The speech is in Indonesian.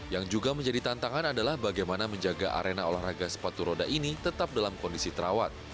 yang juga menjadi tantangan adalah bagaimana menjaga arena olahraga sepatu roda ini tetap dalam kondisi terawat